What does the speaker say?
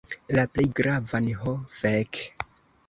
La plej gravan. Ho fek.